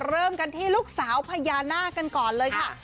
เริ่มกันที่ลูกสาวพญานาคกันก่อนเลยค่ะ